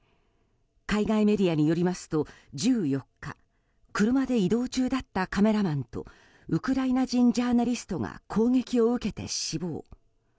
海外メディアによりますと１４日車で移動中だったカメラマンとウクライナ人ジャーナリストが攻撃を受けて死亡。